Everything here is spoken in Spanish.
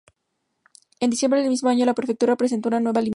En diciembre del mismo año, la prefectura presentó una nueva licitación.